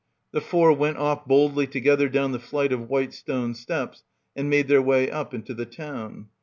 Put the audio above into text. The four went off boldly together down the flight of white stone steps and made their way up into the town.